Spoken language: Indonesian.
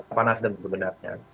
apa nasdem sebenarnya